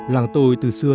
làng tôi từ xưa